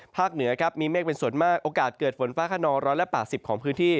เหนือครับมีเมฆเป็นส่วนมากโอกาสเกิดฝนฟ้าขนอง๑๘๐ของพื้นที่